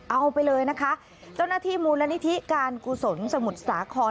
เอาไปเลยนะคะเจ้าหน้าที่มูลนิธิการกุศลสมุทรสาคร